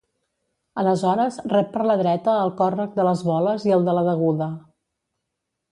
Aleshores rep per la dreta el Còrrec de les Voles i el de la Deguda.